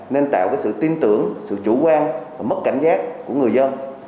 nên tạo sự tin tưởng sự chủ quan và mất cảnh giác của người dân